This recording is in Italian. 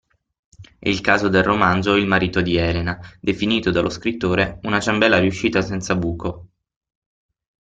È il caso del romanzo Il marito di Elena, definito dallo scrittore una ciambella riuscita senza buco.